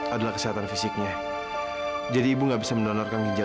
apalagi sekarang harus mengambil ginjal